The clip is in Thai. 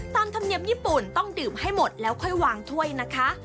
ธรรมเนียมญี่ปุ่นต้องดื่มให้หมดแล้วค่อยวางถ้วยนะคะ